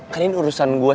kan ini urusan gua sama tata